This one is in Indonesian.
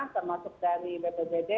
termasuk dari bbbd